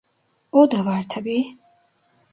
O da var tabii.